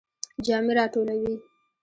جامی را ټولوئ؟